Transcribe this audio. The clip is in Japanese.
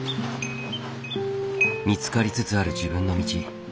見つかりつつある自分の道。